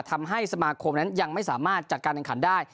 ทำให้สมาคมยังไม่สามารถจัดการแข่งขาดฟุตบอลได้